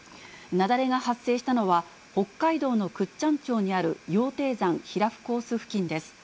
雪崩が発生したのは、北海道の倶知安町にある羊蹄山ひらふコース付近です。